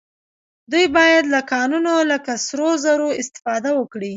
دوی باید له کانونو لکه سرو زرو استفاده وکړي